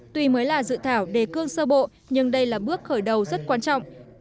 tuy mới là dự thảo đề cương sơ bộ nhưng đây là bước khởi đầu rất quan trọng